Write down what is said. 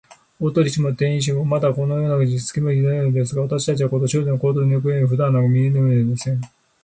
大鳥氏も店員も、まだ、このことを少しも気づいていないようですが、わたしたちは、この少女の行動を、ゆだんなく見はっていなければなりません。